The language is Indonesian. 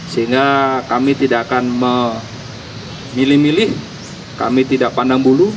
sehingga kami tidak akan memilih milih kami tidak pandang bulu